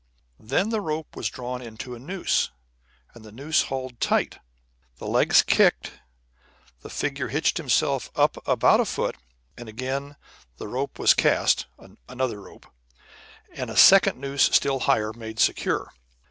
Then the rope was drawn into a noose, and the noose hauled tight. The legs kicked, the figure hitched itself up about a foot, and again the rope was cast (another rope), and a second noose still higher made secure.